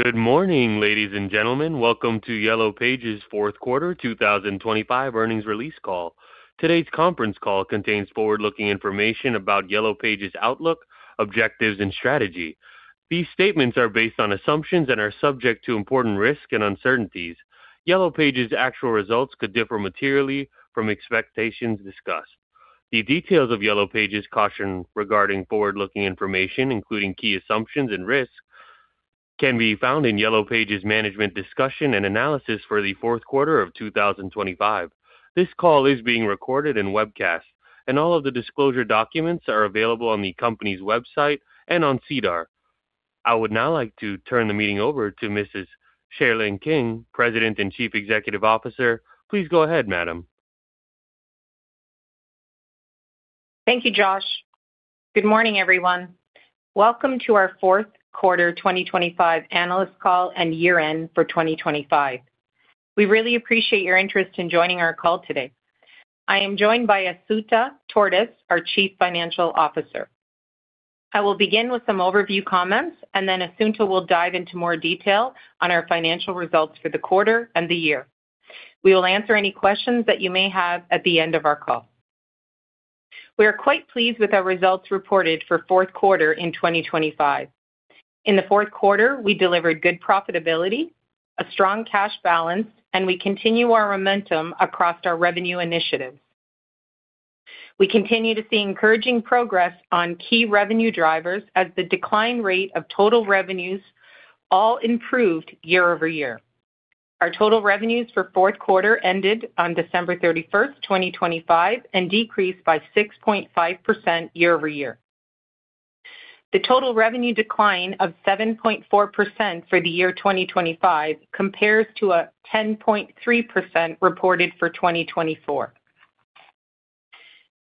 Good morning, ladies and gentlemen. Welcome to Yellow Pages' fourth quarter 2025 earnings release call. Today's conference call contains forward-looking information about Yellow Pages' outlook, objectives, and strategy. These statements are based on assumptions and are subject to important risks and uncertainties. Yellow Pages' actual results could differ materially from expectations discussed. The details of Yellow Pages' caution regarding forward-looking information, including key assumptions and risks, can be found in Yellow Pages' management discussion and analysis for the fourth quarter of 2025. This call is being recorded and webcast, and all of the disclosure documents are available on the company's website and on SEDAR. I would now like to turn the meeting over to Mrs. Sherilyn King, President and Chief Executive Officer. Please go ahead, madam. Thank you, Josh. Good morning, everyone. Welcome to our fourth quarter 2025 analyst call and year-end for 2025. We really appreciate your interest in joining our call today. I am joined by Assunta Tortis, our Chief Financial Officer. I will begin with some overview comments, and then Assunta will dive into more detail on our financial results for the quarter and the year. We will answer any questions that you may have at the end of our call. We are quite pleased with our results reported for fourth quarter in 2025. In the fourth quarter, we delivered good profitability, a strong cash balance, and we continue our momentum across our revenue initiatives. We continue to see encouraging progress on key revenue drivers as the decline rate of total revenues all improved year-over-year. Our total revenues for the fourth quarter ended on December 31, 2025, and decreased by 6.5% year-over-year. The total revenue decline of 7.4% for the year 2025 compares to a 10.3% reported for 2024.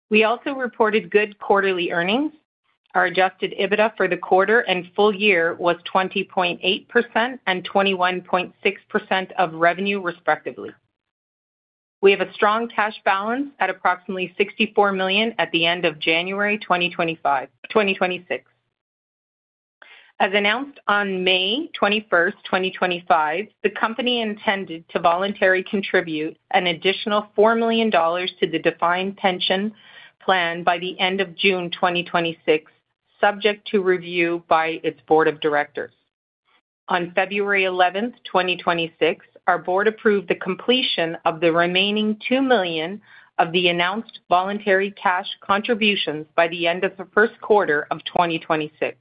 We also reported good quarterly earnings. Our Adjusted EBITDA for the quarter and full year was 20.8% and 21.6% of revenue, respectively. We have a strong cash balance at approximately 64 million at the end of January 2026. As announced on May 21, 2025, the company intended to voluntarily contribute an additional 4 million dollars to the defined pension plan by the end of June 2026, subject to review by its board of directors. On February 11, 2026, our board approved the completion of the remaining 2 million of the announced voluntary cash contributions by the end of the first quarter of 2026.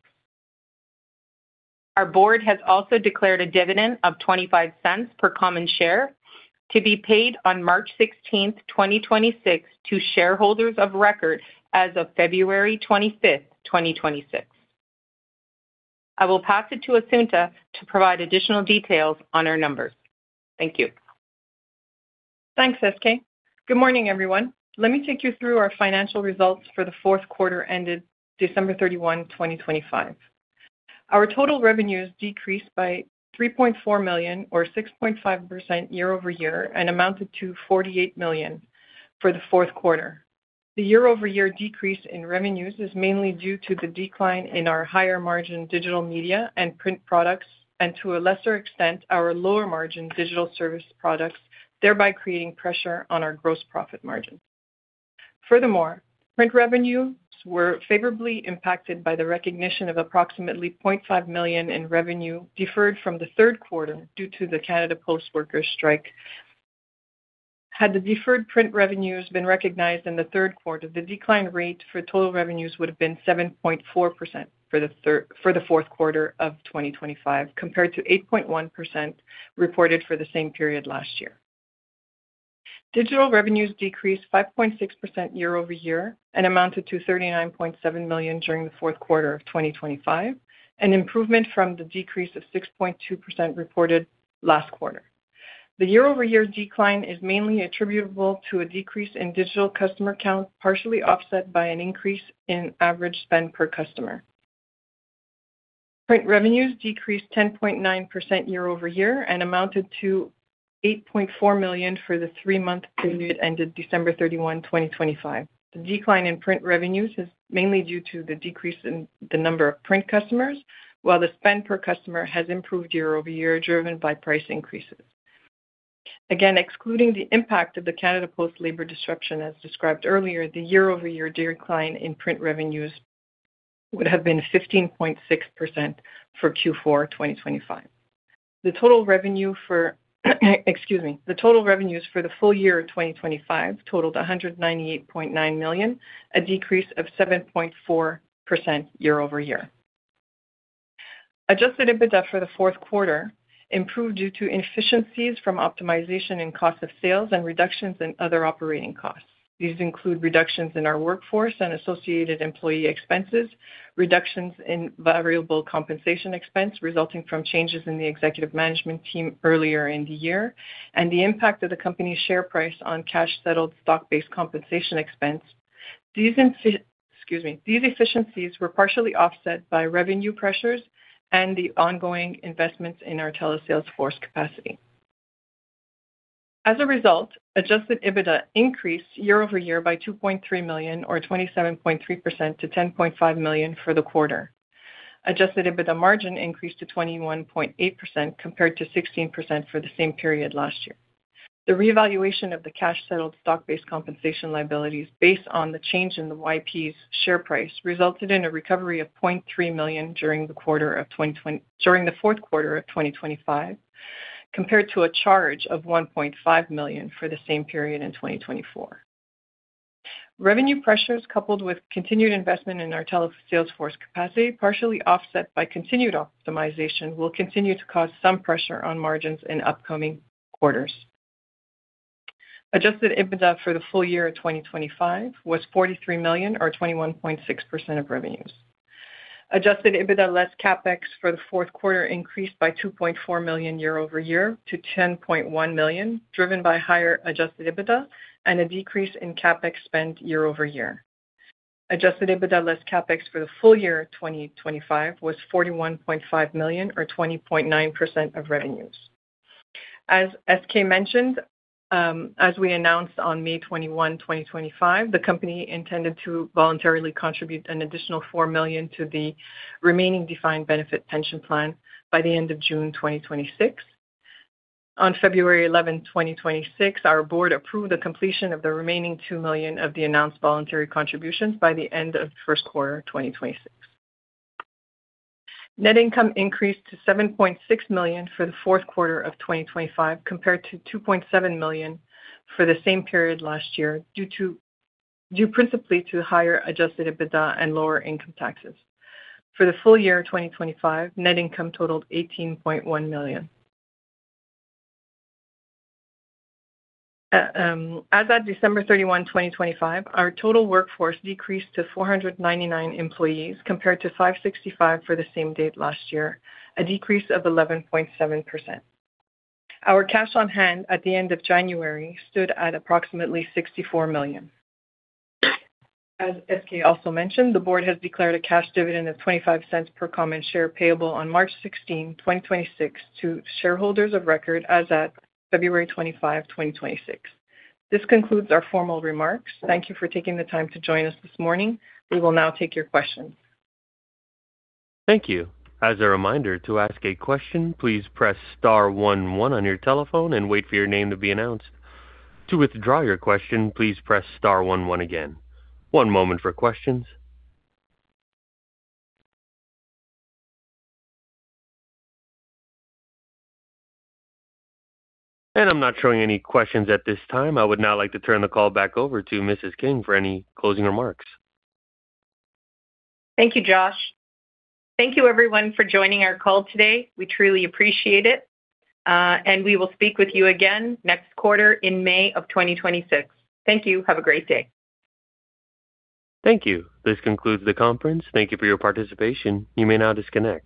Our board has also declared a dividend of 0.25 per common share to be paid on March 16, 2026, to shareholders of record as of February 25, 2026. I will pass it to Assunta to provide additional details on our numbers. Thank you. Thanks, SK. Good morning, everyone. Let me take you through our financial results for the fourth quarter ended December 31, 2025. Our total revenues decreased by 3.4 million, or 6.5% year-over-year, and amounted to 48 million for the fourth quarter. The year-over-year decrease in revenues is mainly due to the decline in our higher margin digital media and print products and to a lesser extent, our lower margin digital service products, thereby creating pressure on our gross profit margin. Furthermore, print revenues were favorably impacted by the recognition of approximately 0.5 million in revenue deferred from the third quarter due to the Canada Post worker strike. Had the deferred print revenues been recognized in the third quarter, the decline rate for total revenues would have been 7.4% for the fourth quarter of 2025, compared to 8.1% reported for the same period last year. Digital revenues decreased 5.6% year-over-year and amounted to 39.7 million during the fourth quarter of 2025, an improvement from the decrease of 6.2% reported last quarter. The year-over-year decline is mainly attributable to a decrease in digital customer count, partially offset by an increase in average spend per customer. Print revenues decreased 10.9% year-over-year and amounted to 8.4 million for the three-month period ended December 31, 2025. The decline in print revenues is mainly due to the decrease in the number of print customers, while the spend per customer has improved year-over-year, driven by price increases. Again, excluding the impact of the Canada Post labor disruption, as described earlier, the year-over-year decline in print revenues would have been 15.6% for Q4 2025. The total revenue for, excuse me, the total revenues for the full year of 2025 totaled 198.9 million, a decrease of 7.4% year-over-year. Adjusted EBITDA for the fourth quarter improved due to inefficiencies from optimization in cost of sales and reductions in other operating costs. These include reductions in our workforce and associated employee expenses, reductions in variable compensation expense resulting from changes in the executive management team earlier in the year, and the impact of the company's share price on cash-settled stock-based compensation expense. These efficiencies were partially offset by revenue pressures and the ongoing investments in our telesales force capacity. As a result, adjusted EBITDA increased year-over-year by 2.3 million, or 27.3% to 10.5 million for the quarter. Adjusted EBITDA margin increased to 21.8%, compared to 16% for the same period last year. The revaluation of the cash-settled stock-based compensation liabilities, based on the change in the YP's share price, resulted in a recovery of 0.3 million during the fourth quarter of 2025, compared to a charge of 1.5 million for the same period in 2024. Revenue pressures, coupled with continued investment in our telesales force capacity, partially offset by continued optimization, will continue to cause some pressure on margins in upcoming quarters. Adjusted EBITDA for the full year of 2025 was 43 million, or 21.6% of revenues. Adjusted EBITDA less CapEx for the fourth quarter increased by 2.4 million year-over-year to 10.1 million, driven by higher adjusted EBITDA and a decrease in CapEx spend year-over-year. Adjusted EBITDA less CapEx for the full year of 2025 was 41.5 million, or 20.9% of revenues. As SK mentioned, as we announced on May 21, 2025, the company intended to voluntarily contribute an additional 4 million to the remaining defined benefit pension plan by the end of June 2026. On February 11, 2026, our board approved the completion of the remaining 2 million of the announced voluntary contributions by the end of first quarter 2026. Net income increased to 7.6 million for the fourth quarter of 2025, compared to 2.7 million for the same period last year, due principally to higher adjusted EBITDA and lower income taxes. For the full year of 2025, net income totaled 18.1 million. As of December 31, 2025, our total workforce decreased to 499 employees compared to 565 for the same date last year, a decrease of 11.7%. Our cash on hand at the end of January stood at approximately 64 million. As SK also mentioned, the board has declared a cash dividend of 0.25 per common share, payable on March 16, 2026, to shareholders of record as at February 25, 2026. This concludes our formal remarks. Thank you for taking the time to join us this morning. We will now take your questions. Thank you. As a reminder, to ask a question, please press star one one on your telephone and wait for your name to be announced. To withdraw your question, please press star one one again. One moment for questions. I'm not showing any questions at this time. I would now like to turn the call back over to Mrs. King for any closing remarks. Thank you, Josh. Thank you, everyone, for joining our call today. We truly appreciate it, and we will speak with you again next quarter in May of 2026. Thank you. Have a great day. Thank you. This concludes the conference. Thank you for your participation. You may now disconnect.